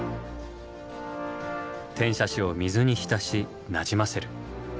転写紙を水に浸しなじませる。